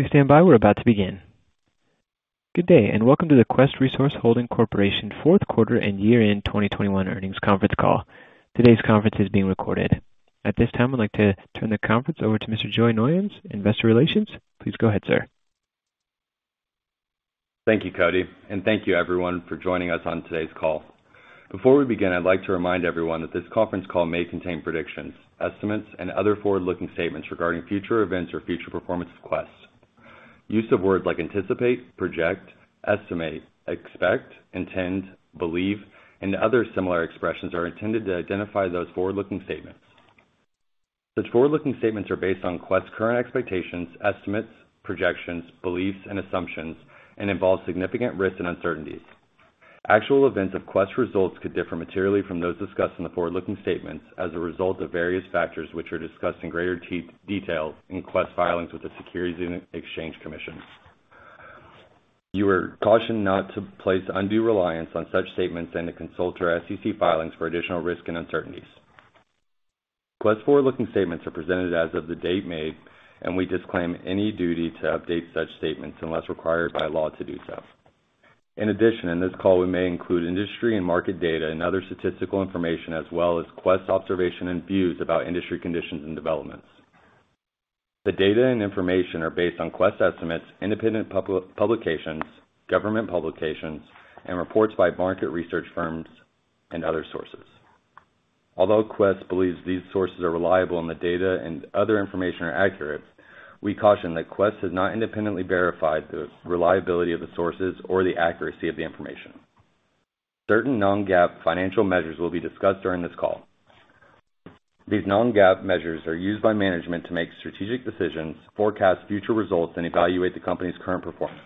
Please stand by. We're about to begin. Good day, and welcome to the Quest Resource Holding Corporation Fourth Quarter and Year-end 2021 Earnings Conference Call. Today's conference is being recorded. At this time, I'd like to turn the conference over to Mr. Joe Noyons, Investor Relations. Please go ahead, sir. Thank you, Cody, and thank you everyone for joining us on today's call. Before we begin, I'd like to remind everyone that this conference call may contain predictions, estimates, and other forward-looking statements regarding future events or future performance of Quest. Use of words like anticipate, project, estimate, expect, intend, believe, and other similar expressions are intended to identify those forward-looking statements. Such forward-looking statements are based on Quest's current expectations, estimates, projections, beliefs, and assumptions and involve significant risks and uncertainties. Actual events of Quest results could differ materially from those discussed in the forward-looking statements as a result of various factors, which are discussed in greater detail in Quest filings with the Securities and Exchange Commission. You are cautioned not to place undue reliance on such statements and to consult our SEC filings for additional risks and uncertainties. Quest forward-looking statements are presented as of the date made, and we disclaim any duty to update such statements unless required by law to do so. In addition, in this call, we may include industry and market data and other statistical information, as well as Quest observation and views about industry conditions and developments. The data and information are based on Quest estimates, independent public publications, government publications, and reports by market research firms and other sources. Although Quest believes these sources are reliable and the data and other information are accurate, we caution that Quest has not independently verified the reliability of the sources or the accuracy of the information. Certain non-GAAP financial measures will be discussed during this call. These non-GAAP measures are used by management to make strategic decisions, forecast future results, and evaluate the company's current performance.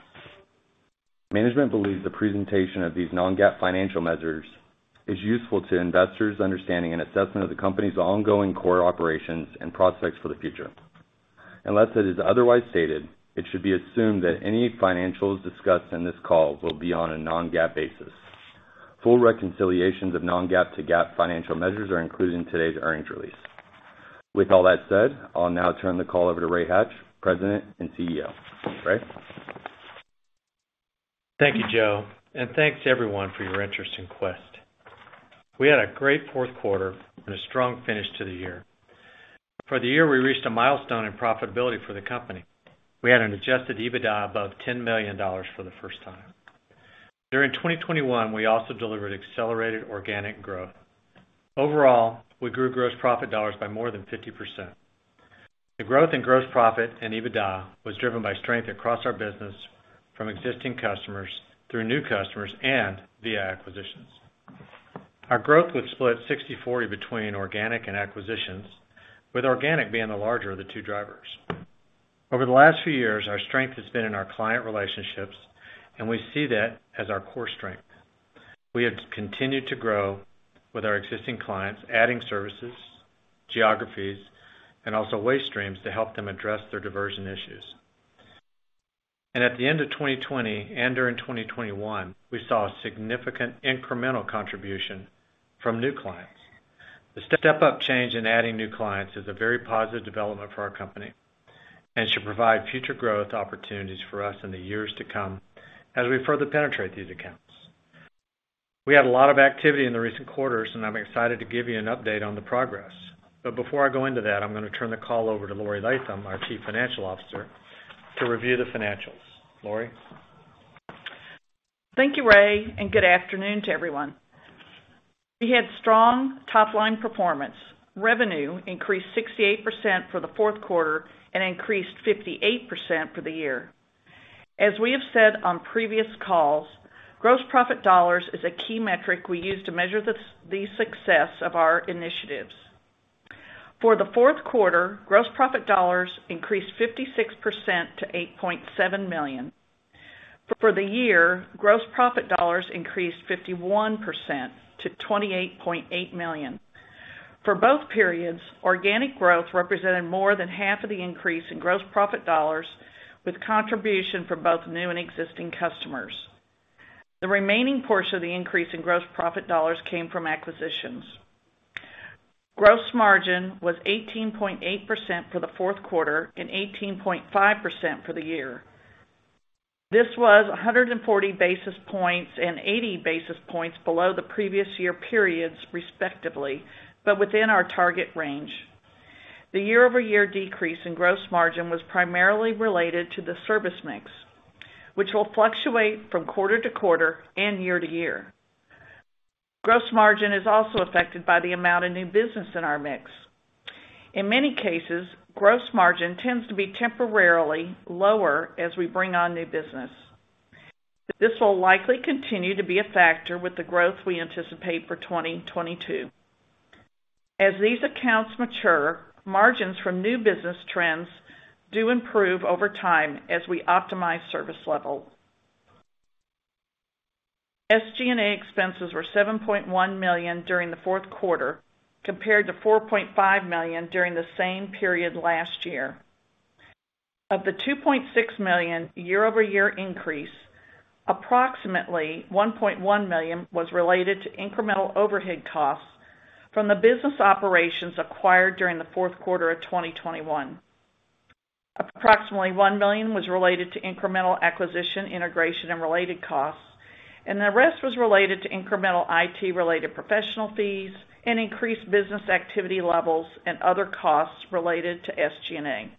Management believes the presentation of these non-GAAP financial measures is useful to investors' understanding and assessment of the company's ongoing core operations and prospects for the future. Unless it is otherwise stated, it should be assumed that any financials discussed in this call will be on a non-GAAP basis. Full reconciliations of non-GAAP to GAAP financial measures are included in today's earnings release. With all that said, I'll now turn the call over to Ray Hatch, President and CEO. Ray? Thank you, Joe, and thanks everyone for your interest in Quest. We had a great fourth quarter and a strong finish to the year. For the year, we reached a milestone in profitability for the company. We had an Adjusted EBITDA above $10 million for the first time. During 2021, we also delivered accelerated organic growth. Overall, we grew gross profit dollars by more than 50%. The growth in gross profit and EBITDA was driven by strength across our business from existing customers through new customers and via acquisitions. Our growth was split 60/40 between organic and acquisitions, with organic being the larger of the two drivers. Over the last few years, our strength has been in our client relationships, and we see that as our core strength. We have continued to grow with our existing clients, adding services, geographies, and also waste streams to help them address their diversion issues. At the end of 2020 and during 2021, we saw a significant incremental contribution from new clients. The step up change in adding new clients is a very positive development for our company and should provide future growth opportunities for us in the years to come as we further penetrate these accounts. We had a lot of activity in the recent quarters, and I'm excited to give you an update on the progress. Before I go into that, I'm going to turn the call over to Laurie Latham, our Chief Financial Officer, to review the financials. Laurie? Thank you, Ray, and good afternoon to everyone. We had strong top-line performance. Revenue increased 68% for the fourth quarter and increased 58% for the year. As we have said on previous calls, gross profit dollars is a key metric we use to measure the success of our initiatives. For the fourth quarter, gross profit dollars increased 56% to $8.7 million. For the year, gross profit dollars increased 51% to $28.8 million. For both periods, organic growth represented more than half of the increase in gross profit dollars, with contribution from both new and existing customers. The remaining portion of the increase in gross profit dollars came from acquisitions. Gross margin was 18.8% for the fourth quarter and 18.5% for the year. This was 140 basis points and 80 basis points below the previous year periods, respectively, but within our target range. The year-over-year decrease in gross margin was primarily related to the service mix, which will fluctuate from quarter to quarter and year to year. Gross margin is also affected by the amount of new business in our mix. In many cases, gross margin tends to be temporarily lower as we bring on new business. This will likely continue to be a factor with the growth we anticipate for 2022. As these accounts mature, margins from new business trends do improve over time as we optimize service level. SG&A expenses were $7.1 million during the fourth quarter, compared to $4.5 million during the same period last year. Of the $2.6 million year-over-year increase, approximately $1.1 million was related to incremental overhead costs from the business operations acquired during the fourth quarter of 2021. Approximately $1 million was related to incremental acquisition, integration, and related costs, and the rest was related to incremental IT related professional fees and increased business activity levels and other costs related to SG&A.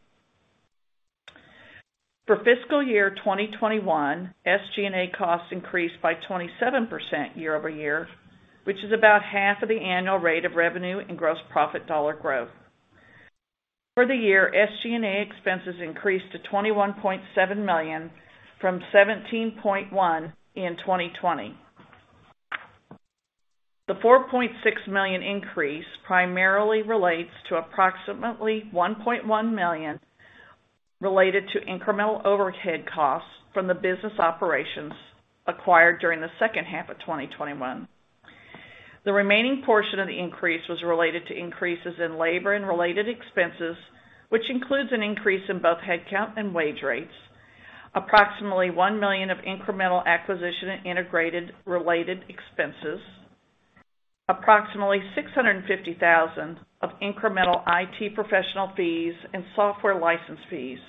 For fiscal year 2021, SG&A costs increased by 27% year-over-year, which is about half of the annual rate of revenue and gross profit dollar growth. For the year, SG&A expenses increased to $21.7 million, from $17.1 million in 2020. The $4.6 million increase primarily relates to approximately $1.1 million related to incremental overhead costs from the business operations acquired during the second half of 2021. The remaining portion of the increase was related to increases in labor and related expenses, which includes an increase in both headcount and wage rates, approximately $1 million of incremental acquisition and integrated related expenses, approximately $650,000 of incremental IT professional fees and software license fees,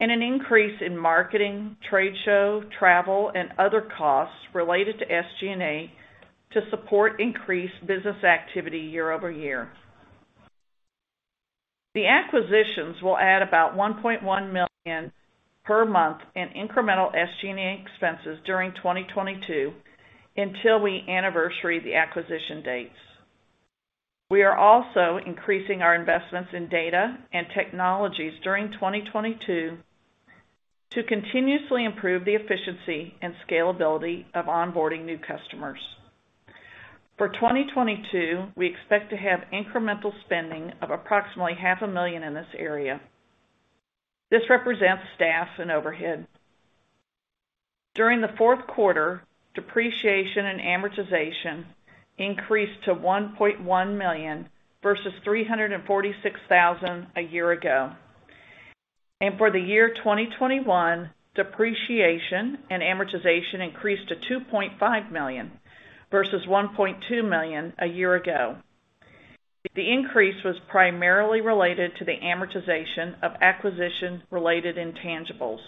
and an increase in marketing, trade show, travel, and other costs related to SG&A to support increased business activity year-over-year. The acquisitions will add about $1.1 million per month in incremental SG&A expenses during 2022 until we anniversary the acquisition dates. We are also increasing our investments in data and technologies during 2022 to continuously improve the efficiency and scalability of onboarding new customers. For 2022, we expect to have incremental spending of approximately $0.5 million in this area. This represents staff and overhead. During the fourth quarter, depreciation and amortization increased to $1.1 million versus $346,000 a year ago. For the year 2021, depreciation and amortization increased to $2.5 million versus $1.2 million a year ago. The increase was primarily related to the amortization of acquisition-related intangibles.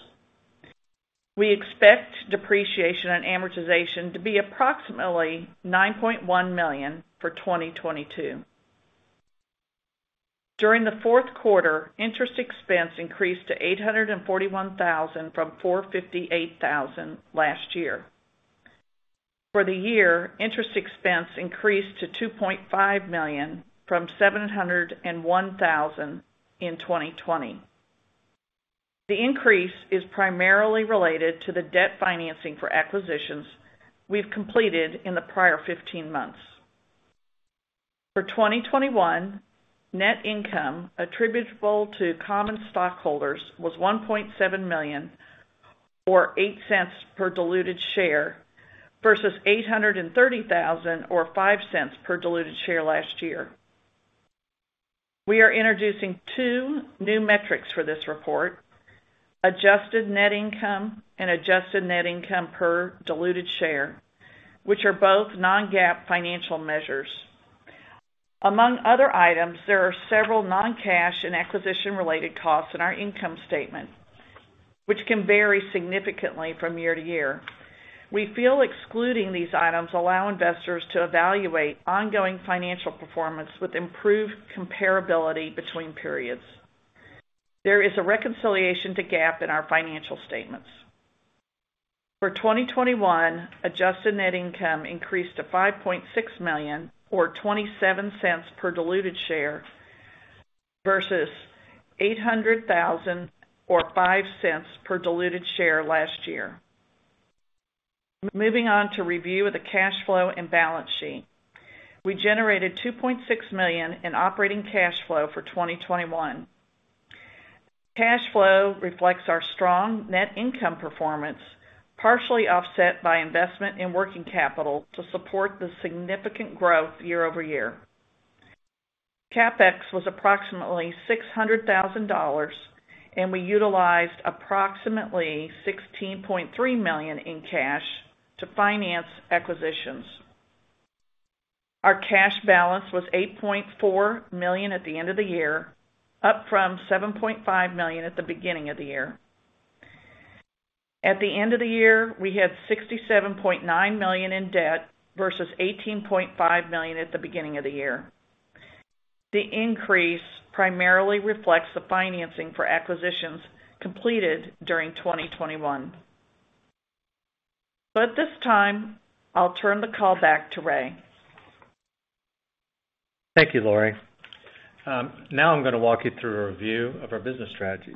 We expect depreciation and amortization to be approximately $9.1 million for 2022. During the fourth quarter, interest expense increased to $841,000 from $458,000 last year. For the year, interest expense increased to $2.5 million from $701,000 in 2020. The increase is primarily related to the debt financing for acquisitions we've completed in the prior fifteen months. For 2021, net income attributable to common stockholders was $1.7 million or $0.08 per diluted share versus $830,000 or $0.05 per diluted share last year. We are introducing two new metrics for this report. Adjusted net income and adjusted net income per diluted share, which are both non-GAAP financial measures. Among other items, there are several non-cash and acquisition-related costs in our income statement, which can vary significantly from year to year. We feel excluding these items allow investors to evaluate ongoing financial performance with improved comparability between periods. There is a reconciliation to GAAP in our financial statements. For 2021, adjusted net income increased to $5.6 million or $0.27 per diluted share versus $800,000 or $0.05 per diluted share last year. Moving on to review of the cash flow and balance sheet. We generated $2.6 million in operating cash flow for 2021. Cash flow reflects our strong net income performance, partially offset by investment in working capital to support the significant growth year-over-year. CapEx was approximately $600,000, and we utilized approximately $16.3 million in cash to finance acquisitions. Our cash balance was $8.4 million at the end of the year, up from $7.5 million at the beginning of the year. At the end of the year, we had $67.9 million in debt versus $18.5 million at the beginning of the year. The increase primarily reflects the financing for acquisitions completed during 2021. At this time, I'll turn the call back to Ray. Thank you, Laurie. Now I'm gonna walk you through a review of our business strategies.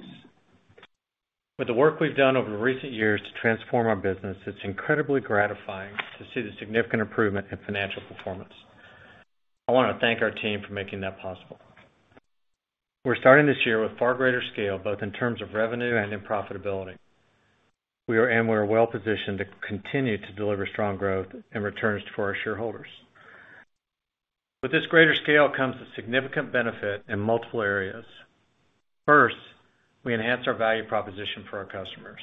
With the work we've done over recent years to transform our business, it's incredibly gratifying to see the significant improvement in financial performance. I wanna thank our team for making that possible. We're starting this year with far greater scale, both in terms of revenue and in profitability. We're well-positioned to continue to deliver strong growth and returns for our shareholders. With this greater scale comes a significant benefit in multiple areas. First, we enhance our value proposition for our customers.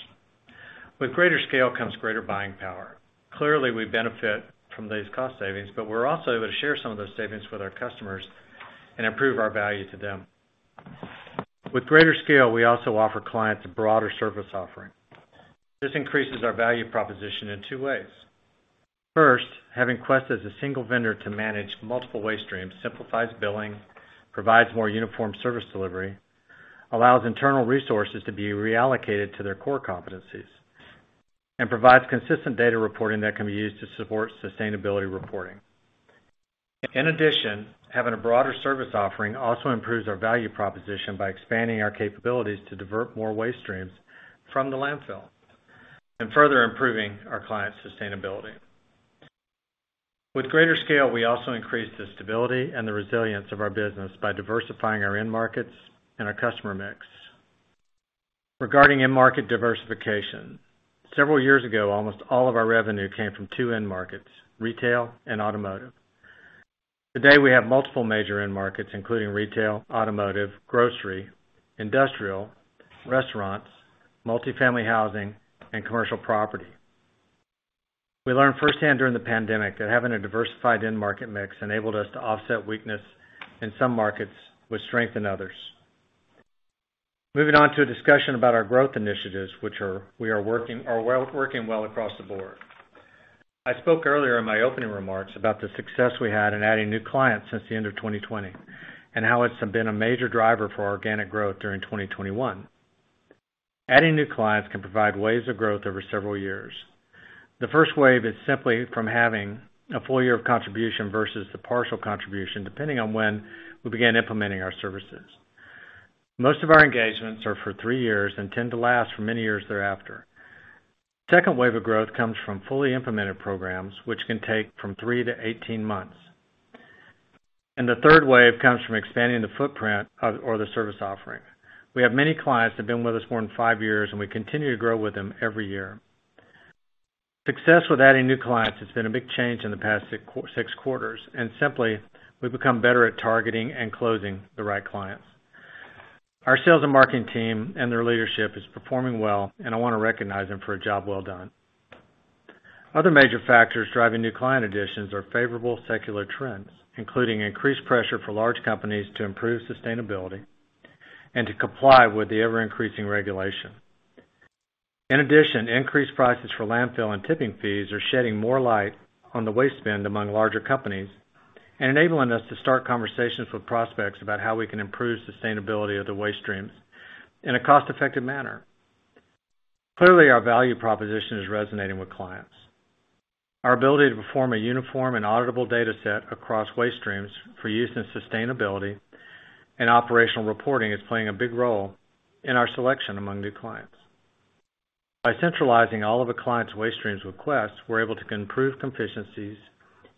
With greater scale comes greater buying power. Clearly, we benefit from these cost savings, but we're also able to share some of those savings with our customers and improve our value to them. With greater scale, we also offer clients a broader service offering. This increases our value proposition in two ways. First, having Quest as a single vendor to manage multiple waste streams simplifies billing, provides more uniform service delivery, allows internal resources to be reallocated to their core competencies, and provides consistent data reporting that can be used to support sustainability reporting. In addition, having a broader service offering also improves our value proposition by expanding our capabilities to divert more waste streams from the landfill and further improving our clients' sustainability. With greater scale, we also increase the stability and the resilience of our business by diversifying our end markets and our customer mix. Regarding end market diversification, several years ago, almost all of our revenue came from two end markets, retail and automotive. Today, we have multiple major end markets, including retail, automotive, grocery, industrial, restaurants, multifamily housing, and commercial property. We learned firsthand during the pandemic that having a diversified end market mix enabled us to offset weakness in some markets with strength in others. Moving on to a discussion about our growth initiatives, which are working well across the board. I spoke earlier in my opening remarks about the success we had in adding new clients since the end of 2020, and how it's been a major driver for organic growth during 2021. Adding new clients can provide waves of growth over several years. The first wave is simply from having a full year of contribution versus the partial contribution, depending on when we begin implementing our services. Most of our engagements are for three years and tend to last for many years thereafter. Second wave of growth comes from fully implemented programs, which can take from three to 18 months. The third wave comes from expanding the footprint of or the service offering. We have many clients that have been with us more than five years, and we continue to grow with them every year. Success with adding new clients has been a big change in the past six quarters, and simply, we've become better at targeting and closing the right clients. Our sales and marketing team and their leadership is performing well, and I want to recognize them for a job well done. Other major factors driving new client additions are favorable secular trends, including increased pressure for large companies to improve sustainability and to comply with the ever-increasing regulation. In addition, increased prices for landfill and tipping fees are shedding more light on the waste spend among larger companies and enabling us to start conversations with prospects about how we can improve sustainability of the waste streams in a cost-effective manner. Clearly, our value proposition is resonating with clients. Our ability to perform a uniform and auditable data set across waste streams for use in sustainability and operational reporting is playing a big role in our selection among new clients. By centralizing all of a client's waste streams with Quest, we're able to improve competencies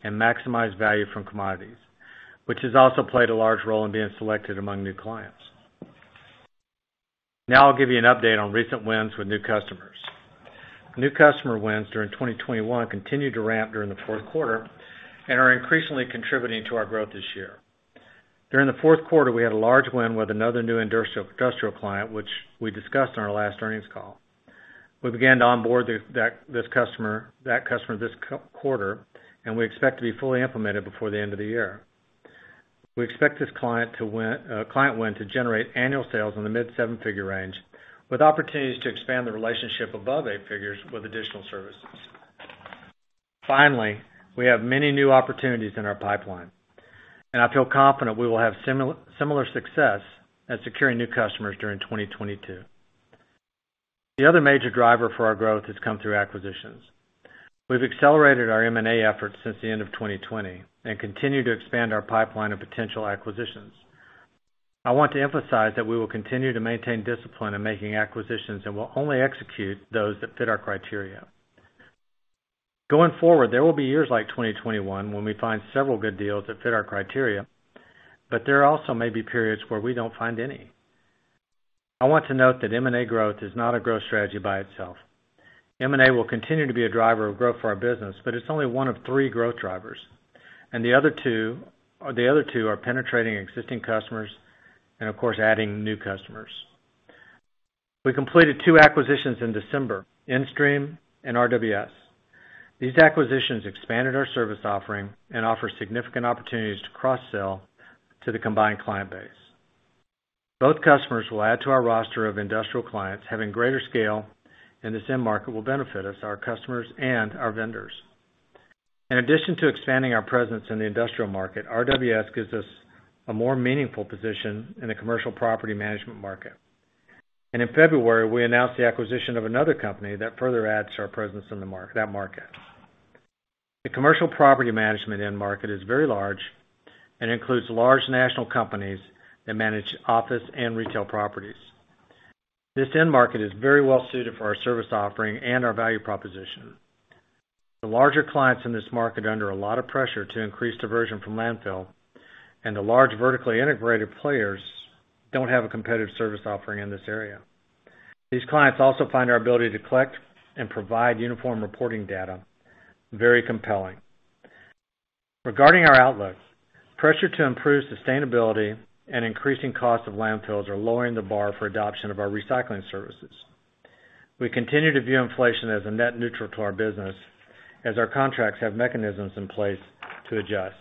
and maximize value from commodities, which has also played a large role in being selected among new clients. Now I'll give you an update on recent wins with new customers. New customer wins during 2021 continued to ramp during the fourth quarter and are increasingly contributing to our growth this year. During the fourth quarter, we had a large win with another new industrial client, which we discussed on our last earnings call. We began to onboard this customer this quarter, and we expect to be fully implemented before the end of the year. We expect this client win to generate annual sales in the mid seven-figure range, with opportunities to expand the relationship above eight figures with additional services. Finally, we have many new opportunities in our pipeline, and I feel confident we will have similar success at securing new customers during 2022. The other major driver for our growth has come through acquisitions. We've accelerated our M&A efforts since the end of 2020 and continue to expand our pipeline of potential acquisitions. I want to emphasize that we will continue to maintain discipline in making acquisitions and will only execute those that fit our criteria. Going forward, there will be years like 2021 when we find several good deals that fit our criteria, but there also may be periods where we don't find any. I want to note that M&A growth is not a growth strategy by itself. M&A will continue to be a driver of growth for our business, but it's only one of three growth drivers, and the other two are penetrating existing customers and, of course, adding new customers. We completed two acquisitions in December, InStream and RWS. These acquisitions expanded our service offering and offer significant opportunities to cross-sell to the combined client base. Both customers will add to our roster of industrial clients. Having greater scale in this end market will benefit us, our customers, and our vendors. In addition to expanding our presence in the industrial market, RWS gives us a more meaningful position in the commercial property management market. In February, we announced the acquisition of another company that further adds to our presence in that market. The commercial property management end market is very large and includes large national companies that manage office and retail properties. This end market is very well suited for our service offering and our value proposition. The larger clients in this market are under a lot of pressure to increase diversion from landfill, and the large vertically integrated players don't have a competitive service offering in this area. These clients also find our ability to collect and provide uniform reporting data very compelling. Regarding our outlook, pressure to improve sustainability and increasing cost of landfills are lowering the bar for adoption of our recycling services. We continue to view inflation as a net neutral to our business as our contracts have mechanisms in place to adjust.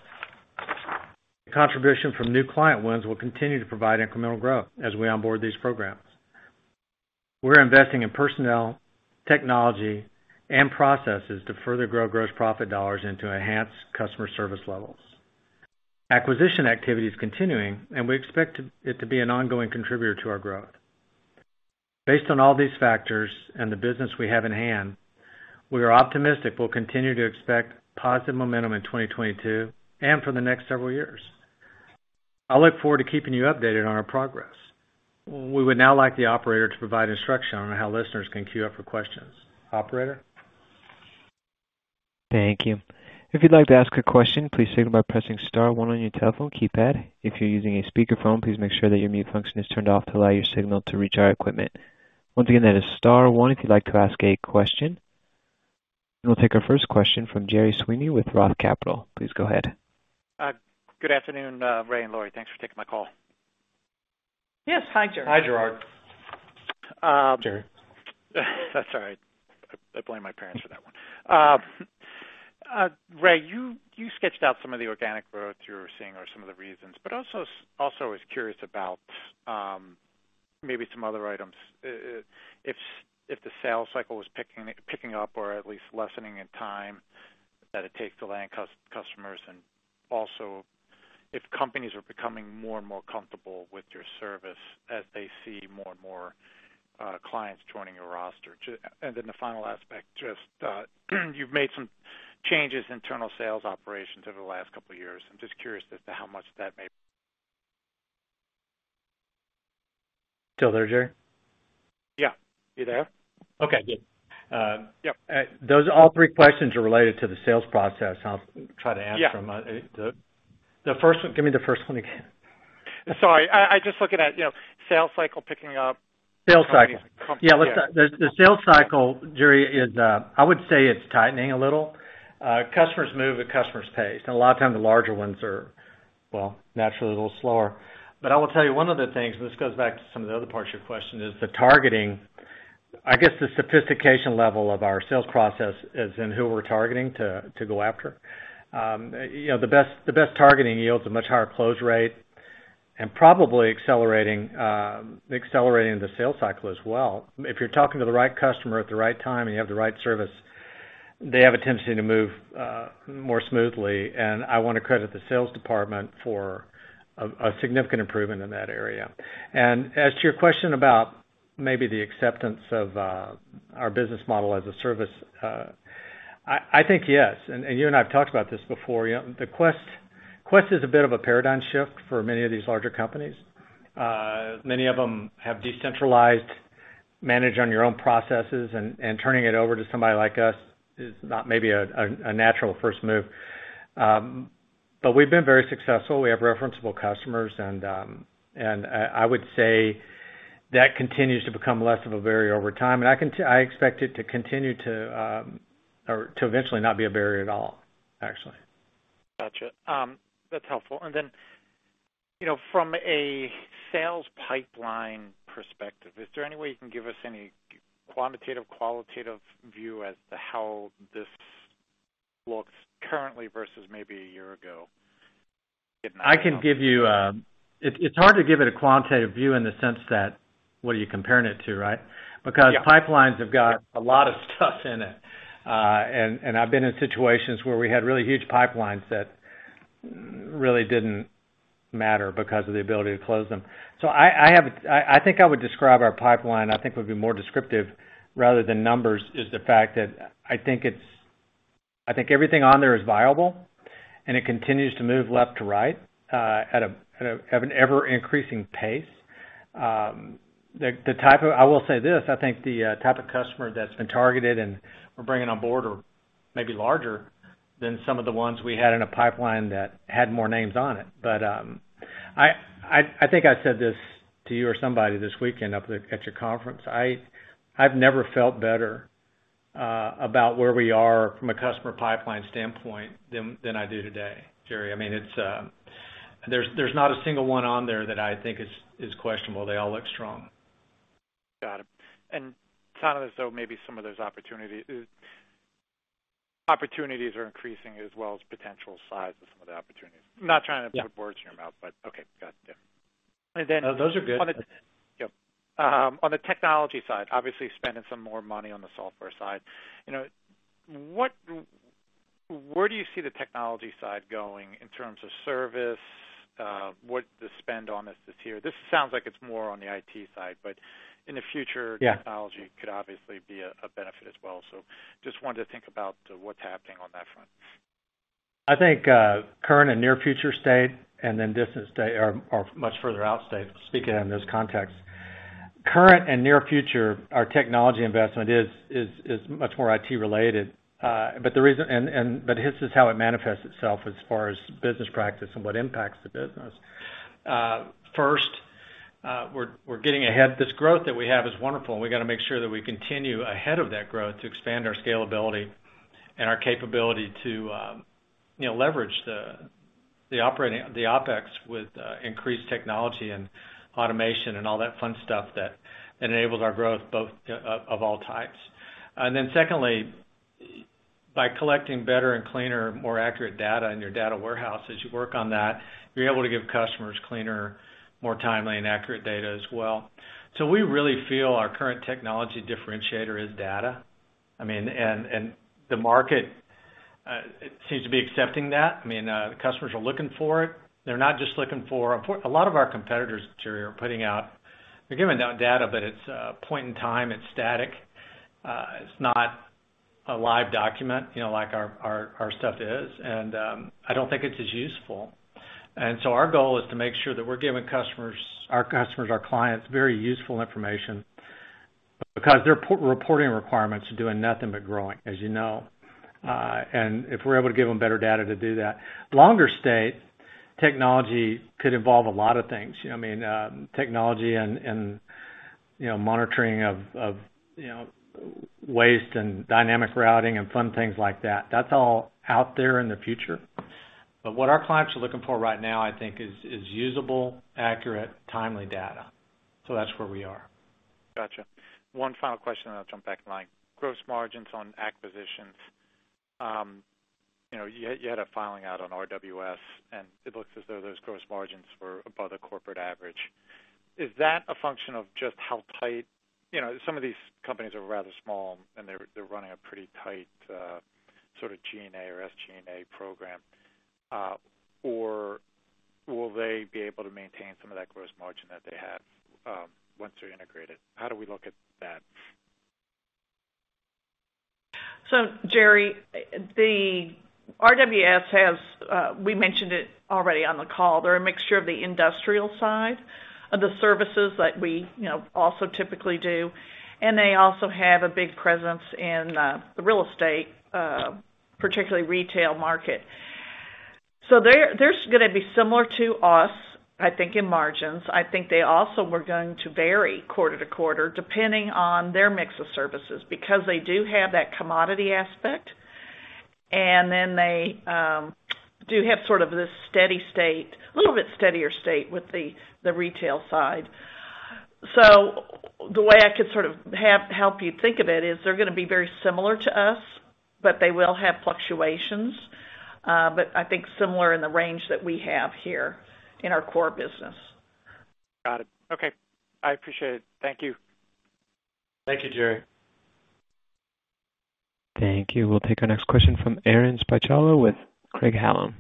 Contribution from new client wins will continue to provide incremental growth as we onboard these programs. We're investing in personnel, technology, and processes to further grow gross profit dollars and to enhance customer service levels. Acquisition activity is continuing, and we expect it to be an ongoing contributor to our growth. Based on all these factors and the business we have in-hand, we are optimistic we'll continue to expect positive momentum in 2022 and for the next several years. I look forward to keeping you updated on our progress. We would now like the operator to provide instruction on how listeners can queue up for questions. Operator? Thank you. If you'd like to ask a question, please signal by pressing star one on your telephone keypad. If you're using a speakerphone, please make sure that your mute function is turned off to allow your signal to reach our equipment. Once again, that is star one if you'd like to ask a question. We'll take our first question from Gerry Sweeney with Roth Capital. Please go ahead. Good afternoon, Ray and Laurie. Thanks for taking my call. Yes. Hi, Gerard. Hi, Gerard. Um- Gerry. Sorry. I blame my parents for that one. Ray, you sketched out some of the organic growth you're seeing or some of the reasons, but also I was curious about, maybe some other items. If the sales cycle was picking up or at least lessening in time that it takes to land customers, and also if companies are becoming more and more comfortable with your service as they see more and more clients joining your roster. Then the final aspect, just you've made some changes, internal sales operations over the last couple of years. I'm just curious as to how much that may. Still there, Gerry? Yeah. You there? Okay. Good. Yep. Those are all three questions related to the sales process. I'll try to answer them. Yeah. The first one. Give me the first one again. Sorry. I just look at that, you know, sales cycle picking up. Sales cycle. Companies are comfortable. Yeah. Let's start. The sales cycle, Gerry, is, I would say it's tightening a little. Customers move at customer's pace, and a lot of times the larger ones are, well, naturally a little slower. But I will tell you one of the things, and this goes back to some of the other parts of your question, is the targeting. I guess the sophistication level of our sales process as in who we're targeting to go after. You know, the best targeting yields a much higher close rate and probably accelerating the sales cycle as well. If you're talking to the right customer at the right time and you have the right service, they have a tendency to move more smoothly. I wanna credit the sales department for a significant improvement in that area. As to your question about maybe the acceptance of our business model as a service, I think yes, and you and I have talked about this before. You know, Quest is a bit of a paradigm shift for many of these larger companies. Many of them have decentralized manage on your own processes, and turning it over to somebody like us is not maybe a natural first move. But we've been very successful. We have referenceable customers, and I would say that continues to become less of a barrier over time, and I expect it to continue to or to eventually not be a barrier at all, actually. Gotcha. That's helpful. You know, from a sales pipeline perspective, is there any way you can give us any quantitative, qualitative view as to how this looks currently versus maybe a year ago in- I can give you, it's hard to give it a quantitative view in the sense that what are you comparing it to, right? Yeah. Because pipelines have got a lot of stuff in it. I've been in situations where we had really huge pipelines that really didn't matter because of the ability to close them. I think I would describe our pipeline. [I think] would be more descriptive rather than numbers is the fact that I think everything on there is viable, and it continues to move left to right at an ever-increasing pace. I will say this, I think the type of customer that's been targeted and we're bringing on board are maybe larger than some of the ones we had in a pipeline that had more names on it. I think I said this to you or somebody this weekend up at your conference. I've never felt better about where we are from a customer pipeline standpoint than I do today, Gerry. I mean, there's not a single one on there that I think is questionable. They all look strong. Got it. It sounded as though maybe some of those opportunities are increasing as well as potential size of some of the opportunities, not trying to- Yeah. I won't put words in your mouth, but okay. Got it. Yeah. Then- No, those are good. Yep. On the technology side, obviously spending some more money on the software side. You know, where do you see the technology side going in terms of service? What's the spend on this year? This sounds like it's more on the IT side, but in the future. Yeah. Technology could obviously be a benefit as well. Just wanted to think about what's happening on that front. I think current and near future state and then distant state are much further out state, speaking in this context. Current and near future, our technology investment is much more IT related. The reason this is how it manifests itself as far as business practice and what impacts the business. We're getting ahead. This growth that we have is wonderful, and we got to make sure that we continue ahead of that growth to expand our scalability and our capability to, you know, leverage the OpEx with increased technology and automation and all that fun stuff that enables our growth of all types. Secondly, by collecting better and cleaner, more accurate data in your data warehouse, as you work on that, you're able to give customers cleaner, more timely and accurate data as well. We really feel our current technology differentiator is data. I mean, the market seems to be accepting that. I mean, the customers are looking for it. They're not just looking for it. A lot of our competitors, Gerry, are giving out data, but it's point in time, it's static. It's not a live document, you know, like our stuff is, and I don't think it's as useful. Our goal is to make sure that we're giving customers, our customers, our clients, very useful information because their p-reporting requirements are doing nothing but growing, as you know. If we're able to give them better data to do that. Long-term technology could involve a lot of things, you know what I mean? Technology and you know, monitoring of you know, waste and dynamic routing and fun things like that. That's all out there in the future. What our clients are looking for right now, I think, is usable, accurate, timely data. That's where we are. Gotcha. One final question, and I'll jump back in line. Gross margins on acquisitions. You know, you had a filing out on RWS, and it looks as though those gross margins were above the corporate average. Is that a function of just how tight. You know, some of these companies are rather small, and they're running a pretty tight sort of G&A or SG&A program. Or will they be able to maintain some of that gross margin that they have once they're integrated? How do we look at that? Gerry, the RWS has, we mentioned it already on the call. They're a mixture of the industrial side of the services that we, you know, also typically do, and they also have a big presence in the real estate, particularly retail market. They're gonna be similar to us, I think, in margins. I think they also were going to vary quarter to quarter depending on their mix of services, because they do have that commodity aspect. They do have sort of this steady state, a little bit steadier state with the retail side. The way I could sort of help you think of it is they're gonna be very similar to us, but they will have fluctuations. I think similar in the range that we have here in our core business. Got it. Okay. I appreciate it. Thank you. Thank you, Gerry. Thank you. We'll take our next question from Aaron Spychalla with Craig-Hallum.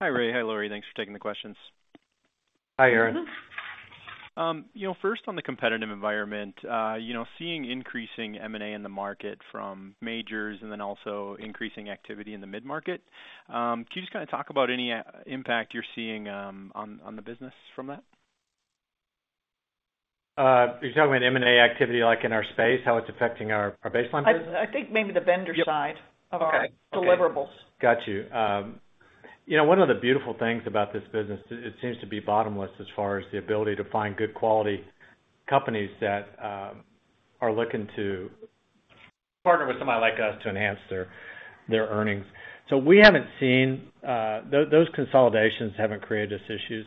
Hi, Ray. Hi, Laurie. Thanks for taking the questions. Hi, Aaron. Mm-hmm. You know, first on the competitive environment, you know, seeing increasing M&A in the market from majors and then also increasing activity in the mid-market, can you just kind of talk about any impact you're seeing on the business from that? You're talking about M&A activity, like in our space, how it's affecting our baseline business? I think maybe the vendor side. Yep. of our deliverables. Okay. Got you. You know, one of the beautiful things about this business is it seems to be bottomless as far as the ability to find good quality companies that are looking to partner with somebody like us to enhance their earnings. We haven't seen those consolidations haven't created us issues.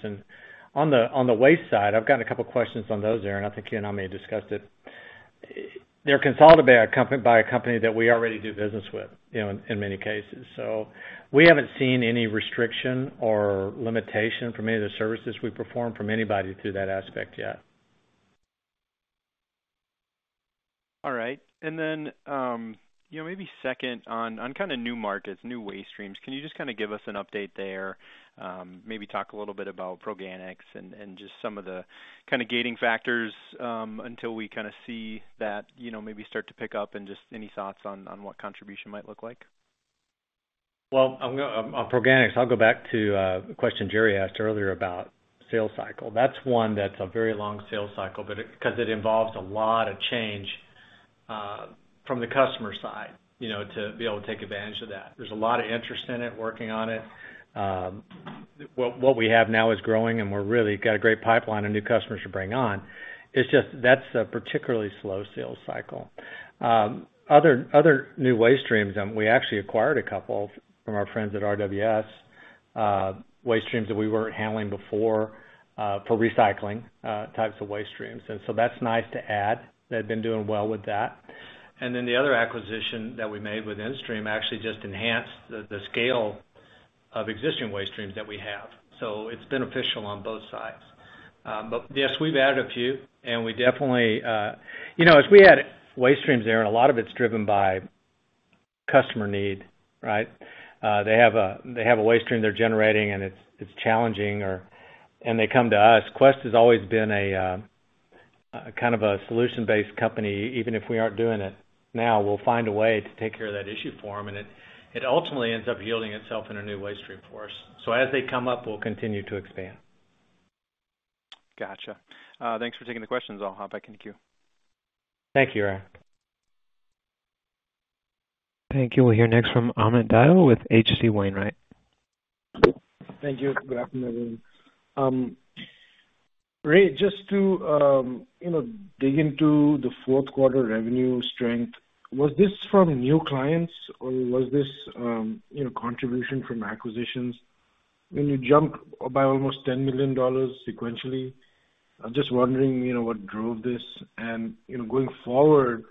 On the waste side, I've gotten a couple questions on those there, and I think you and I may have discussed it. They're consolidated by a company that we already do business with, you know, in many cases. We haven't seen any restriction or limitation from any of the services we perform from anybody through that aspect yet. All right. Maybe second on kind of new markets, new waste streams. Can you just kind of give us an update there? Maybe talk a little bit about Proganics and just some of the kind of gating factors until we kind of see that maybe start to pick up and just any thoughts on what contribution might look like. Well, on Proganics, I'll go back to the question Gerry asked earlier about sales cycle. That's one that's a very long sales cycle, but because it involves a lot of change from the customer side, you know, to be able to take advantage of that. There's a lot of interest in it, working on it. What we have now is growing, and we're really got a great pipeline of new customers to bring on. It's just that's a particularly slow sales cycle. Other new waste streams, and we actually acquired a couple from our friends at RWS, waste streams that we weren't handling before, for recycling, types of waste streams. That's nice to add. They've been doing well with that. Then the other acquisition that we made with InStream actually just enhanced the scale of existing waste streams that we have. It's beneficial on both sides. Yes, we've added a few, and we definitely. You know, as we add waste streams there, and a lot of it's driven by customer need, right? They have a waste stream they're generating, and it's challenging, and they come to us. Quest has always been a kind of solution-based company. Even if we aren't doing it now, we'll find a way to take care of that issue for them. It ultimately ends up yielding itself in a new waste stream for us. As they come up, we'll continue to expand. Gotcha. Thanks for taking the questions. I'll hop back in the queue. Thank you, Aaron. Thank you. We'll hear next from Amit Dayal with H.C. Wainwright. Thank you. Good afternoon. Ray, just to, you know, dig into the fourth quarter revenue strength, was this from new clients or was this, you know, contribution from acquisitions? When you jump by almost $10 million sequentially, I'm just wondering, you know, what drove this. You know, going forward,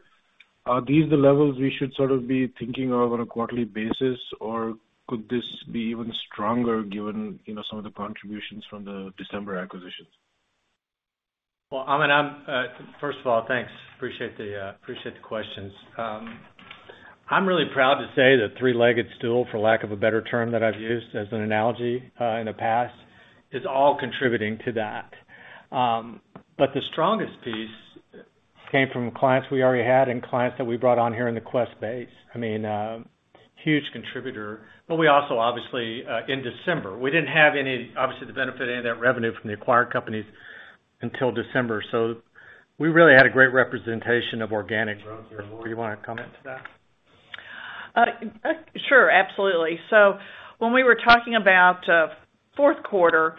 are these the levels we should sort of be thinking of on a quarterly basis, or could this be even stronger given, you know, some of the contributions from the December acquisitions? Well, Amit, first of all, thanks. Appreciate the questions. I'm really proud to say the three-legged stool, for lack of a better term that I've used as an analogy, in the past, is all contributing to that. But the strongest piece came from clients we already had and clients that we brought on here in the Quest base. I mean, huge contributor, but we also obviously in December we didn't have any, obviously, the benefit of any of that revenue from the acquired companies until December. We really had a great representation of organic growth there. Laurie, you wanna comment to that? Sure, absolutely. When we were talking about fourth quarter,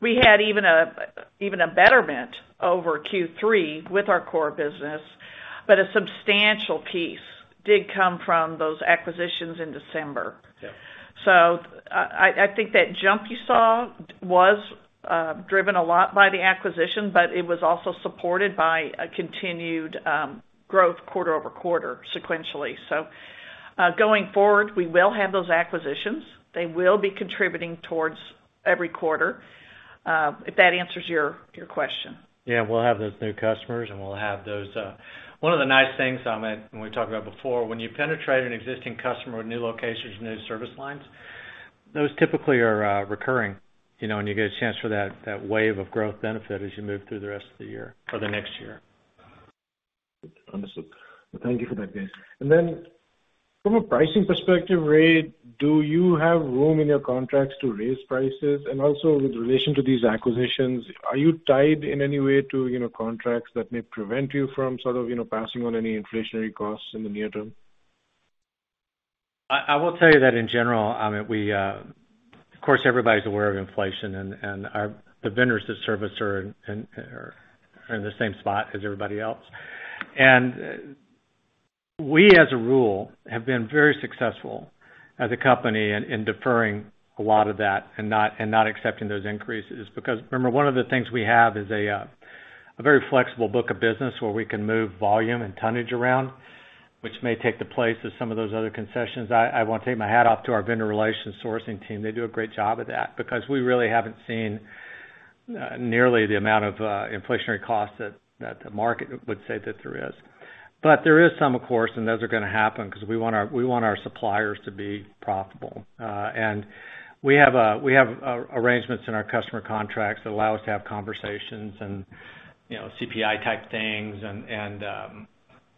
we had even a betterment over Q3 with our core business, but a substantial piece did come from those acquisitions in December. Yeah. I think that jump you saw was driven a lot by the acquisition, but it was also supported by a continued growth quarter over quarter sequentially. Going forward, we will have those acquisitions. They will be contributing towards every quarter, if that answers your question. Yeah, we'll have those new customers, and we'll have those. One of the nice things, Amit, and we talked about before, when you penetrate an existing customer with new locations, new service lines, those typically are recurring, you know, and you get a chance for that wave of growth benefit as you move through the rest of the year or the next year. Understood. Thank you for that, guys. From a pricing perspective, Ray, do you have room in your contracts to raise prices? With relation to these acquisitions, are you tied in any way to, you know, contracts that may prevent you from sort of, you know, passing on any inflationary costs in the near term? I will tell you that in general, Amit, we of course everybody's aware of inflation and our vendors that service are in the same spot as everybody else. We, as a rule, have been very successful as a company in deferring a lot of that and not accepting those increases. Because remember, one of the things we have is a very flexible book of business where we can move volume and tonnage around, which may take the place of some of those other concessions. I wanna take my hat off to our vendor relations sourcing team. They do a great job of that because we really haven't seen nearly the amount of inflationary costs that the market would say that there is. There is some, of course, and those are gonna happen because we want our suppliers to be profitable. We have arrangements in our customer contracts that allow us to have conversations and, you know, CPI type things and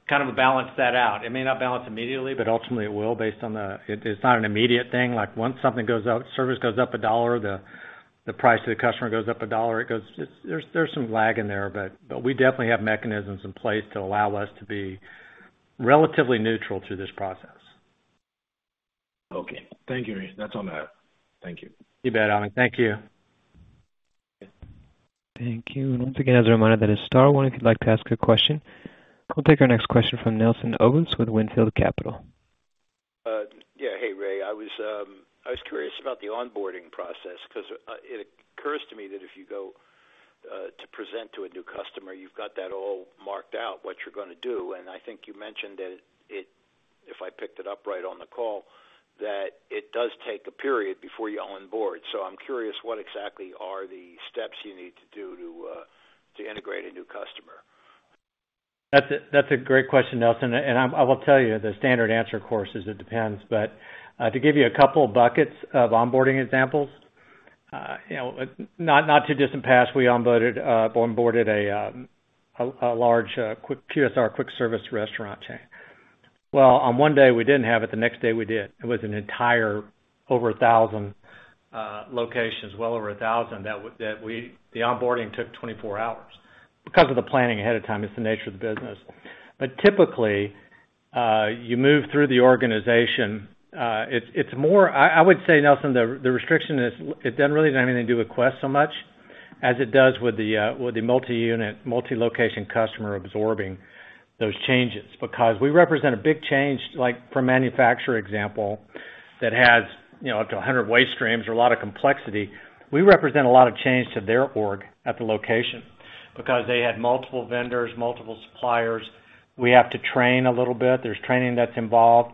kind of balance that out. It may not balance immediately, but ultimately it will based on the. It is not an immediate thing. Like, once something goes up, service goes up a dollar, the price to the customer goes up a dollar. It goes. It's, there is some lag in there, but we definitely have mechanisms in place to allow us to be relatively neutral through this process. Okay. Thank you, Ray. That's all I have. Thank you. You bet, Amit. Thank you. Okay. Thank you. Once again, as a reminder, that is star one if you'd like to ask a question. We'll take our next question from Nelson Obus with Wynnefield Capital. Yeah. Hey, Ray. I was curious about the onboarding process 'cause it occurs to me that if you go to present to a new customer, you've got that all marked out, what you're gonna do. I think you mentioned that it, if I picked it up right on the call, that it does take a period before y'all onboard. I'm curious what exactly are the steps you need to do to integrate a new customer? That's a great question, Nelson. I will tell you the standard answer, of course, is it depends. To give you a couple buckets of onboarding examples, you know, not too distant past, we onboarded a large quick QSR quick service restaurant chain. Well, on one day, we didn't have it, the next day we did. It was an entire over 1,000 locations, well over 1,000 that we. The onboarding took 24 hours because of the planning ahead of time. It's the nature of the business. Typically, you move through the organization. It's more. I would say, Nelson, the restriction is it doesn't really have anything to do with Quest so much as it does with the multi-unit, multi-location customer absorbing those changes. Because we represent a big change, like for a manufacturer example that has, you know, up to 100 waste streams or a lot of complexity. We represent a lot of change to their org at the location because they had multiple vendors, multiple suppliers. We have to train a little bit. There's training that's involved.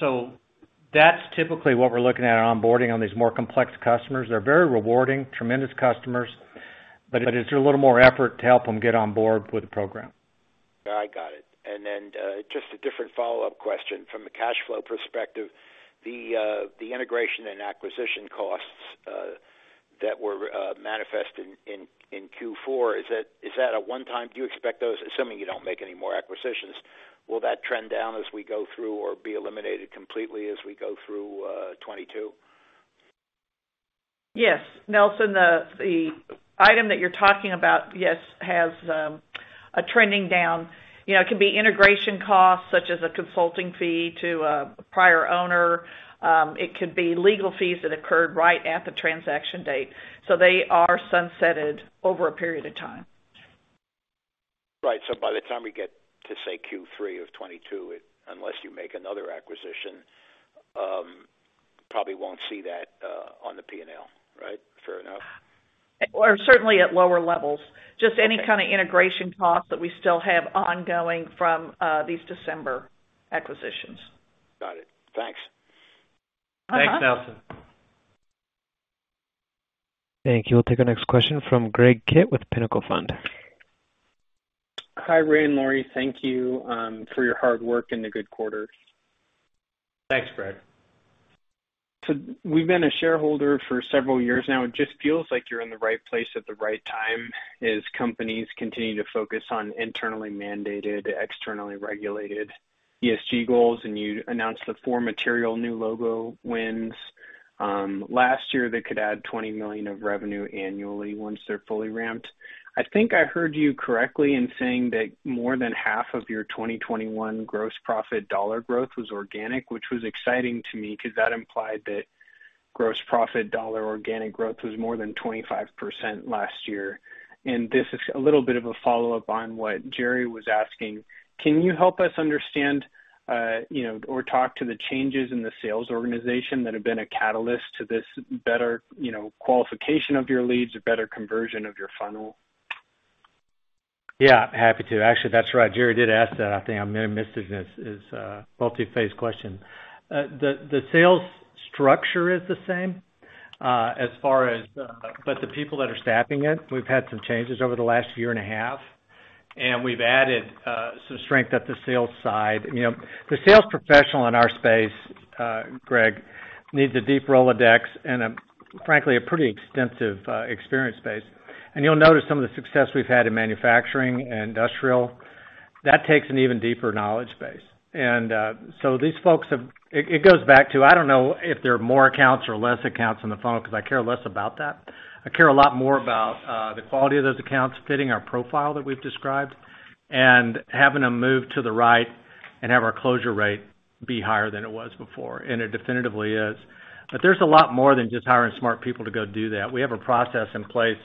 So that's typically what we're looking at onboarding on these more complex customers. They're very rewarding, tremendous customers, but it is a little more effort to help them get on board with the program. I got it. Just a different follow-up question. From a cash flow perspective, the integration and acquisition costs that were manifested in Q4, is that a one time? Do you expect those, assuming you don't make any more acquisitions, will that trend down as we go through or be eliminated completely as we go through 2022? Yes. Nelson, the item that you're talking about, yes, has a trending down. You know, it could be integration costs, such as a consulting fee to a prior owner. It could be legal fees that occurred right at the transaction date. They are sunsetted over a period of time. Right. By the time we get to, say, Q3 of 2022, it, unless you make another acquisition, probably won't see that on the P&L, right? Fair enough. Certainly at lower levels. Just any kind of integration costs that we still have ongoing from these December acquisitions. Got it. Thanks. Uh-huh. Thanks, Nelson. Thank you. We'll take our next question from Greg Kitt with Pinnacle Fund. Hi, Ray and Laurie. Thank you for your hard work and the good quarter. Thanks, Greg. We've been a shareholder for several years now. It just feels like you're in the right place at the right time as companies continue to focus on internally mandated, externally regulated ESG goals. You announced the four material new logo wins last year that could add $20 million of revenue annually once they're fully ramped. I think I heard you correctly in saying that more than half of your 2021 gross profit dollar growth was organic, which was exciting to me because that implied that gross profit dollar organic growth was more than 25% last year. This is a little bit of a follow-up on what Gerry was asking. Can you help us understand, or talk to the changes in the sales organization that have been a catalyst to this better qualification of your leads or better conversion of your funnel? Yeah, happy to. Actually, that's right. Gerry did ask that. I think I may have missed it. It's a multi-phase question. The sales structure is the same as far as, but the people that are staffing it, we've had some changes over the last year and a half, and we've added some strength at the sales side. You know, the sales professional in our space, Greg, needs a deep Rolodex and, frankly, a pretty extensive experience base. And you'll notice some of the success we've had in manufacturing and industrial, that takes an even deeper knowledge base. These folks have it. It goes back to, I don't know if there are more accounts or less accounts on the funnel because I care less about that. I care a lot more about the quality of those accounts fitting our profile that we've described and having them move to the right and have our closure rate be higher than it was before, and it definitively is. There's a lot more than just hiring smart people to go do that. We have a process in place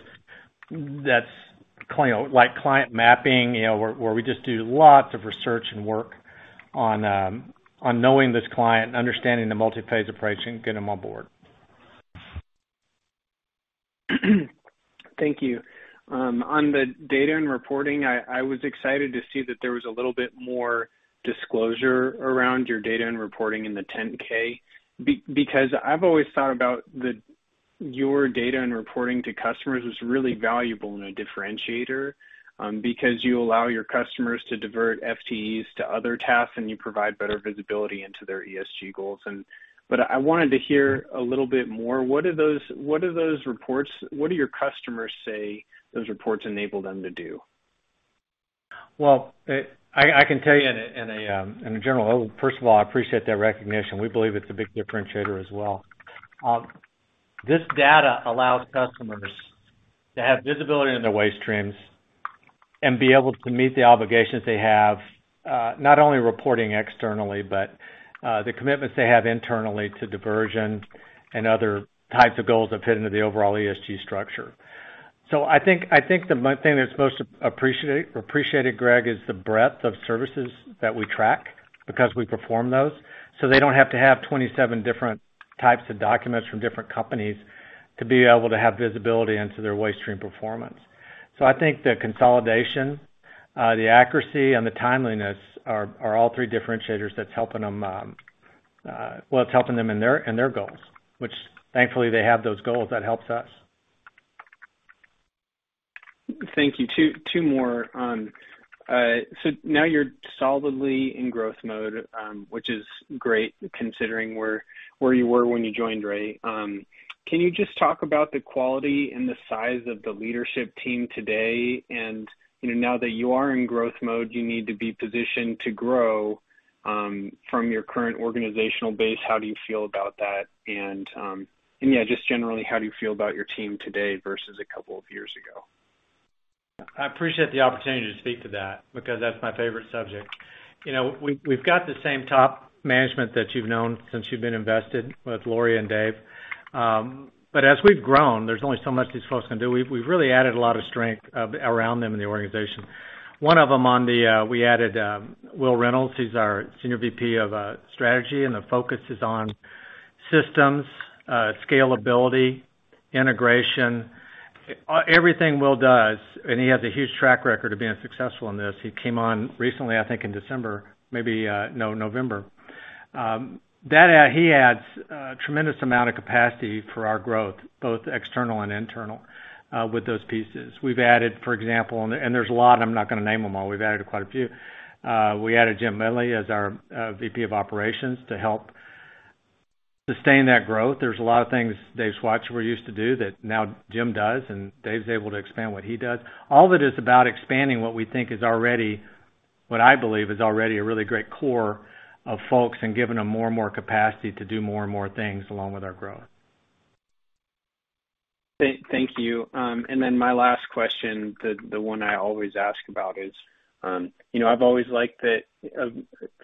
that's kind of like client mapping, you know, where we just do lots of research and work on knowing this client and understanding the multi-phase approach and get them on board. Thank you. On the data and reporting, I was excited to see that there was a little bit more disclosure around your data and reporting in the 10-K. Because I've always thought about your data and reporting to customers was really valuable and a differentiator, because you allow your customers to divert FTEs to other tasks, and you provide better visibility into their ESG goals. But I wanted to hear a little bit more. What do your customers say those reports enable them to do? Well, First of all, I appreciate that recognition. We believe it's a big differentiator as well. This data allows customers to have visibility into their waste streams and be able to meet the obligations they have, not only reporting externally, but the commitments they have internally to diversion and other types of goals that fit into the overall ESG structure. I think the thing that's most appreciated, Greg, is the breadth of services that we track because we perform those. They don't have to have 27 different types of documents from different companies to be able to have visibility into their waste stream performance. I think the consolidation, the accuracy, and the timeliness are all three differentiators that's helping them, it's helping them in their goals, which thankfully they have those goals that helps us. Thank you. Two more. So now you're solidly in growth mode, which is great considering where you were when you joined Ray. Can you just talk about the quality and the size of the leadership team today? You know, now that you are in growth mode, you need to be positioned to grow from your current organizational base. How do you feel about that? Just generally, how do you feel about your team today versus a couple of years ago? I appreciate the opportunity to speak to that because that's my favorite subject. You know, we've got the same top management that you've known since you've been invested with Laurie and Dave. As we've grown, there's only so much these folks can do. We've really added a lot of strength around them in the organization. One of them, we added Will Reynolds, he's our Senior VP of Strategy, and the focus is on systems, scalability, integration, everything Will does, and he has a huge track record of being successful in this. He came on recently, I think, in December, maybe, no, November. He adds a tremendous amount of capacity for our growth, both external and internal with those pieces. We've added, for example, and there's a lot, I'm not going to name them all. We've added quite a few. We added Jim Medley as our VP of Operations to help sustain that growth. There's a lot of things Dave Mossberg was used to do that now Jim does, and Dave's able to expand what he does. All of it is about expanding what we think is already, what I believe is already a really great core of folks and giving them more and more capacity to do more and more things along with our growth. Thank you. My last question, the one I always ask about is, you know, I've always liked that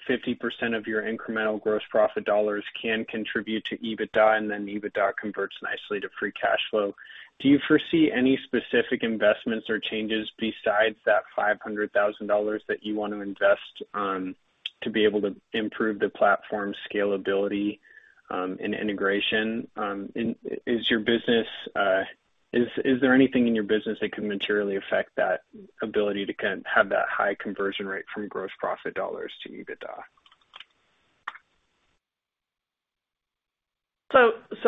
50% of your incremental gross profit dollars can contribute to EBITDA, and then EBITDA converts nicely to free cash flow. Do you foresee any specific investments or changes besides that $500,000 that you want to invest to be able to improve the platform scalability and integration? Is there anything in your business that could materially affect that ability to kind of have that high conversion rate from gross profit dollars to EBITDA?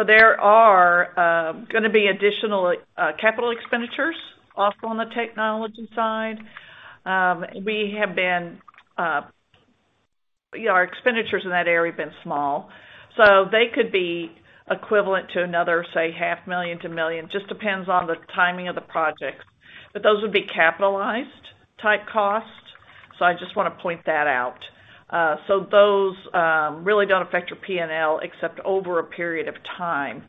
There are gonna be additional capital expenditures also on the technology side. We have been, you know, our expenditures in that area have been small, so they could be equivalent to another, say, $0.5 Million-$1 million, just depends on the timing of the projects. Those would be capitalized type costs, so I just wanna point that out. Those really don't affect your P&L except over a period of time.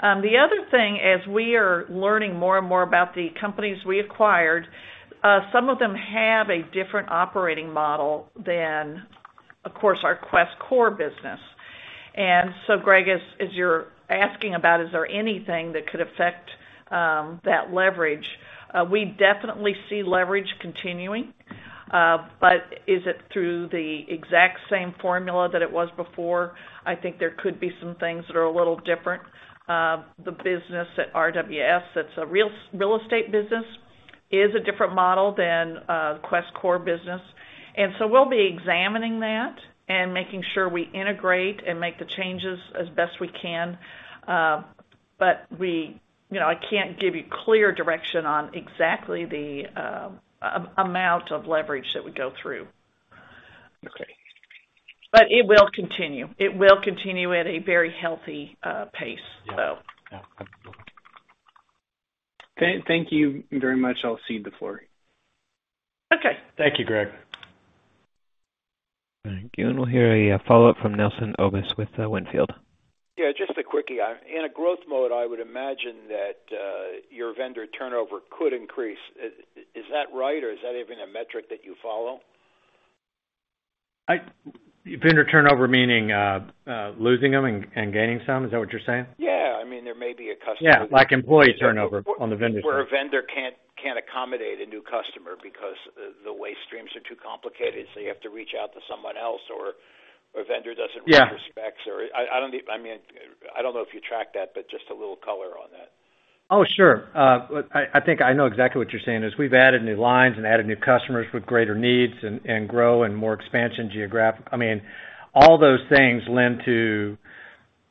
The other thing, as we are learning more and more about the companies we acquired, some of them have a different operating model than, of course, our Quest core business. Greg, as you're asking about, is there anything that could affect that leverage? We definitely see leverage continuing, but is it through the exact same formula that it was before? I think there could be some things that are a little different. The business at RWS, that's a real estate business, is a different model than Quest core business. We'll be examining that and making sure we integrate and make the changes as best we can. You know, I can't give you clear direction on exactly the amount of leverage that would go through. It will continue. It will continue at a very healthy pace, so. Yeah. Thank you very much. I'll cede the floor. Okay. Thank you, Greg. Thank you. We'll hear a follow-up from Nelson Obus with Wynnefield. Yeah, just a quickie. In a growth mode, I would imagine that your vendor turnover could increase. Is that right, or is that even a metric that you follow? Vendor turnover meaning, losing them and gaining some, is that what you're saying? Yeah. I mean, there may be a customer. Yeah, like employee turnover on the vendor side. Where a vendor can't accommodate a new customer because the waste streams are too complicated, so you have to reach out to someone else, or vendor doesn't- Yeah. I don't need. I mean, I don't know if you track that, but just a little color on that. Oh, sure. I think I know exactly what you're saying. As we've added new lines and added new customers with greater needs and growth and more geographic expansion, I mean, all those things lead to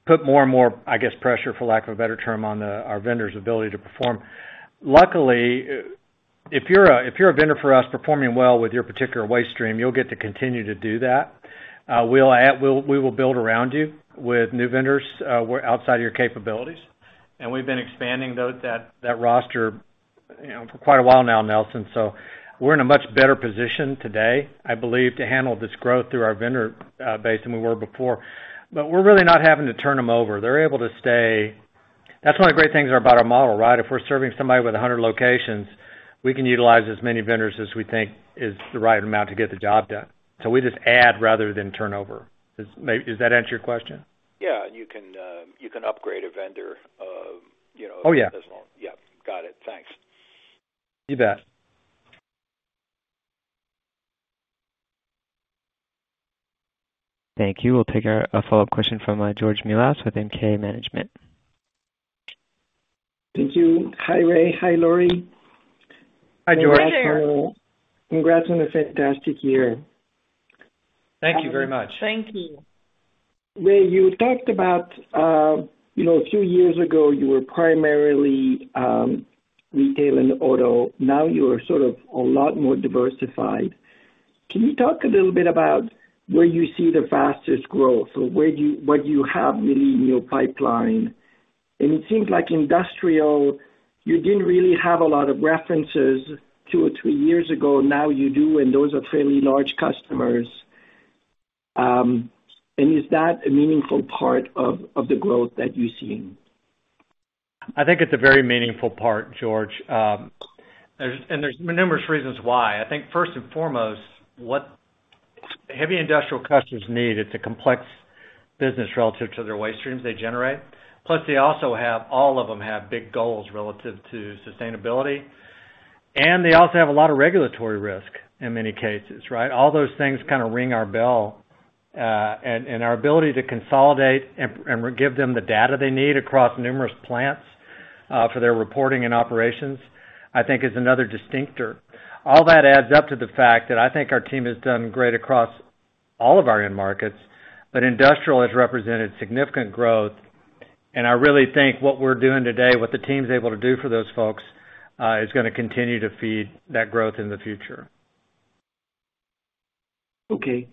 putting more and more, I guess, pressure, for lack of a better term, on our vendors' ability to perform. Luckily, if you're a vendor for us performing well with your particular waste stream, you'll get to continue to do that. We'll add. We will build around you with new vendors where outside of your capabilities. We've been expanding that roster, you know, for quite a while now, Nelson. We're in a much better position today, I believe, to handle this growth through our vendor base than we were before. We're really not having to turn them over. They're able to stay. That's one of the great things about our model, right? If we're serving somebody with 100 locations, we can utilize as many vendors as we think is the right amount to get the job done. So we just add rather than turnover. Does that answer your question? Yeah. You can upgrade a vendor, you know- Oh, yeah. Yeah. Got it. Thanks. You bet. Thank you. We'll take a follow-up question from George Melas with MKH Management. Thank you. Hi, Ray. Hi, Laurie. Hi, George. Hi, George. Congrats on a fantastic year. Thank you very much. Thank you. Ray, you talked about, you know, a few years ago, you were primarily retail and auto. Now you're sort of a lot more diversified. Can you talk a little bit about where you see the fastest growth or where you what you have really in your pipeline? It seems like industrial, you didn't really have a lot of references two or three years ago, now you do, and those are fairly large customers. Is that a meaningful part of the growth that you're seeing? I think it's a very meaningful part, George. There's numerous reasons why. I think first and foremost, what heavy industrial customers need is a complex business relative to their waste streams they generate. Plus, they also have, all of them have big goals relative to sustainability, and they also have a lot of regulatory risk in many cases, right? All those things kind of ring our bell, and our ability to consolidate and give them the data they need across numerous plants, for their reporting and operations, I think is another differentiator. All that adds up to the fact that I think our team has done great across all of our end markets, but industrial has represented significant growth, and I really think what we're doing today, what the team's able to do for those folks, is gonna continue to feed that growth in the future. Okay.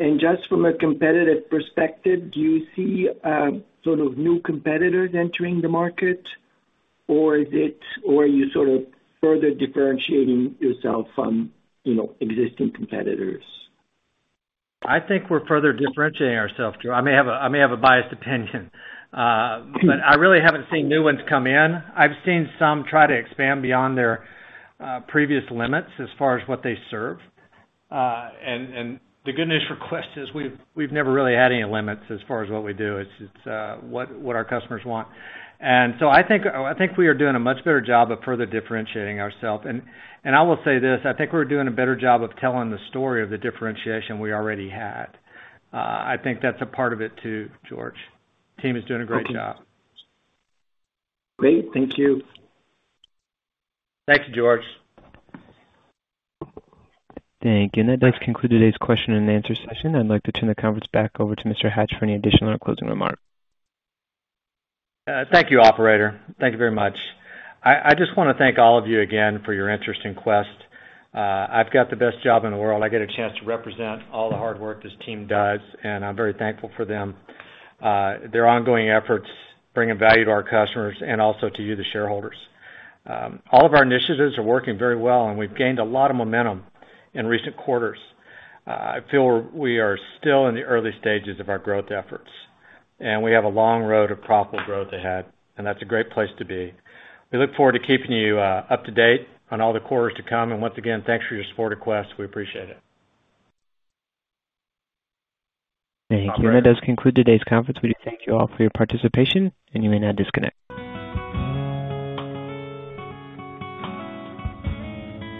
Just from a competitive perspective, do you see sort of new competitors entering the market, or is it or are you sort of further differentiating yourself from, you know, existing competitors? I think we're further differentiating ourselves, George. I may have a biased opinion, but I really haven't seen new ones come in. I've seen some try to expand beyond their previous limits as far as what they serve. The good news for Quest is we've never really had any limits as far as what we do. It's what our customers want. I think we are doing a much better job of further differentiating ourself. I will say this, I think we're doing a better job of telling the story of the differentiation we already had. I think that's a part of it, too, George. Team is doing a great job. Okay. Great. Thank you. Thanks, George. Thank you. That does conclude today's question and answer session. I'd like to turn the conference back over to Mr. Hatch for any additional or closing remarks. Thank you, operator. Thank you very much. I just wanna thank all of you again for your interest in Quest. I've got the best job in the world. I get a chance to represent all the hard work this team does, and I'm very thankful for them. Their ongoing efforts bringing value to our customers and also to you, the shareholders. All of our initiatives are working very well, and we've gained a lot of momentum in recent quarters. I feel we are still in the early stages of our growth efforts, and we have a long road of profitable growth ahead, and that's a great place to be. We look forward to keeping you up to date on all the quarters to come. Once again, thanks for your support of Quest. We appreciate it. Thank you. That does conclude today's conference. We do thank you all for your participation, and you may now disconnect.